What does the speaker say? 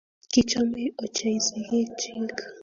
Kichomei ochei sikiik chiik.